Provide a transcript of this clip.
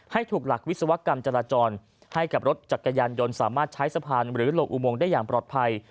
ให้ถูกหลักวิศวกรรมจราจรให้กับรถจักรยานยนต์สามารถใช้สะพานหรือลงอุโมงได้อย่างปลอดภัย